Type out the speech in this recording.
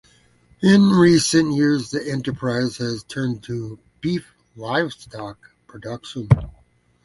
In recent years the enterprise has turned to beef livestock production.